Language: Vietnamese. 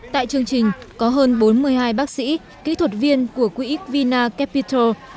tại chương trình có hơn bốn mươi hai bác sĩ kỹ thuật viên của quỹ vina capital